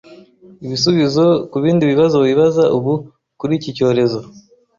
Ibisubizo ku bindi bibazo wibaza ubu kuri iki cyorezo